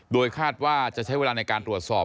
โดยคาดว่าจะใช้เวลาในการตรวจสอบ